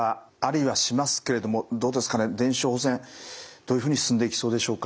どういうふうに進んでいきそうでしょうか。